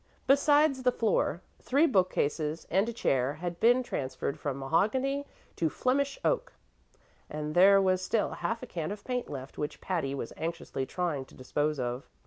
Besides the floor, three bookcases and a chair had been transferred from mahogany to Flemish oak, and there was still half a can of paint left which Patty was anxiously trying to dispose of.